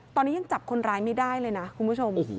ตอนนี้ยังจับคนร้ายไม่ได้เลยนะคุณผู้ชม